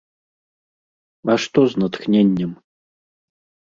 А што з натхненнем?